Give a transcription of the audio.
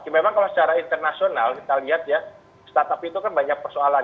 memang kalau secara internasional kita lihat ya startup itu kan banyak persoalan